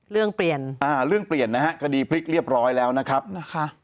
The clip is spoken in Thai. เรื่องเปลี่ยนอ่าเรื่องเปลี่ยนนะฮะคดีพลิกเรียบร้อยแล้วนะครับนะคะ